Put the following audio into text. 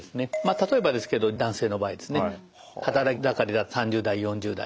例えばですけど男性の場合ですね働き盛りだと３０代４０代。